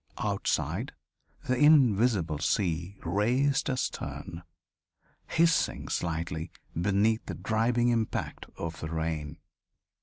Outside, the invisible sea raced astern, hissing slightly beneath the driving impact of the rain.